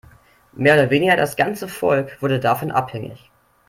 Mehr oder weniger das ganze Volk wurde davon abhängig.